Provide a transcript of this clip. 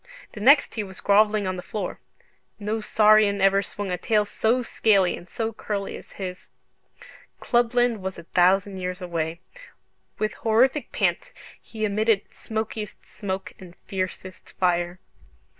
The next he was grovelling on the floor. No saurian ever swung a tail so scaly and so curly as his. Clubland was a thousand years away. With horrific pants he emitted smokiest smoke and fiercest fire.